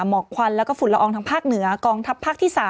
หมอกควันแล้วก็ฝุ่นละอองทางภาคเหนือกองทัพภาคที่๓